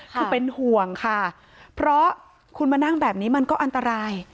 คือเป็นห่วงค่ะเพราะคุณมานั่งแบบนี้มันก็อันตราย